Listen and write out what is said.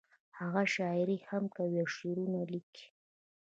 هغه شاعري هم کوي او شعرونه لیکي